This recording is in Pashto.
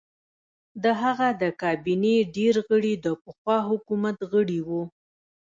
د هغه د کابینې ډېر غړي د پخوا حکومت غړي وو.